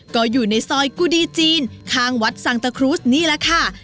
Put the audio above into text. ก็อยู่ในซอยกุดีจีนข้างวัดสังตะครุสนี่แหละค่ะ